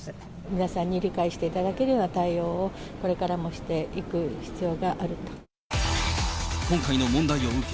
皆さんに理解していただけるような対応をこれからもしていく今回の問題を受け、